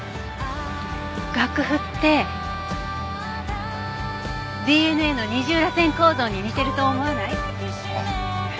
楽譜ってＤＮＡの二重らせん構造に似てると思わない？は？